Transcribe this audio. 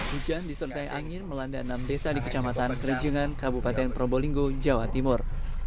hujan disertai angin melanda enam desa di kecamatan kerijengan kabupaten probolinggo jawa timur